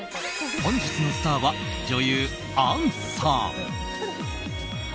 本日のスターは女優・杏さん。